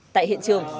tại hiện trường